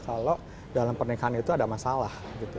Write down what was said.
kalau dalam pernikahan itu ada masalah